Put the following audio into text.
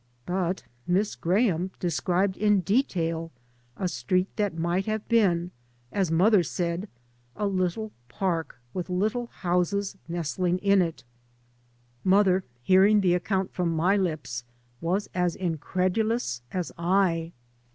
But Miss Graham described in detail a street that might have been, as mother said, a little park with little houses nestling in it. Mother, hearing the account from my lips, was as incredulous as I.